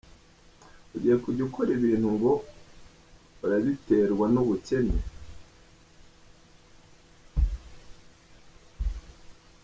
Ugiye kujya ukora ibintu ngo urabiterwa n’ubukene,.